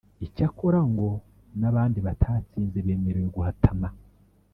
Icyakora ngo n’abandi batatsinze bemerewe guhatana